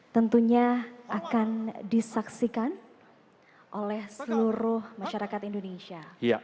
tentunya akan disaksikan oleh seluruh masyarakat indonesia